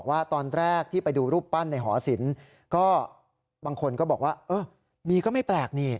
ว่าตอนแรกที่ไปดูรูปปั้นในหอศิลป์ก็บางคนก็บอกว่าเออมีก็ไม่แปลกนี่